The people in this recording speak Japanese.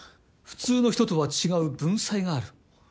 普通の人とは違う文才がある。